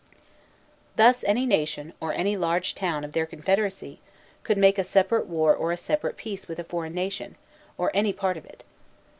Thus, any nation, or any large town, of their confederacy, could make a separate war or a separate peace with a foreign nation, or any part of it.